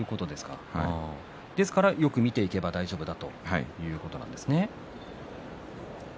ですから、よく見ていけば大丈夫だということなんですね。